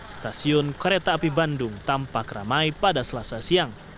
stasiun kereta api bandung tampak ramai pada selasa siang